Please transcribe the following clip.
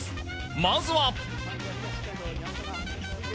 まずは。